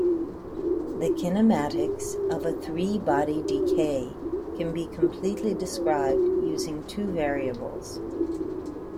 The kinematics of a three-body decay can be completely described using two variables.